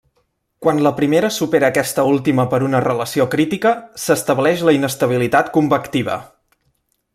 Quan la primera supera aquesta última per una relació crítica, s'estableix la inestabilitat convectiva.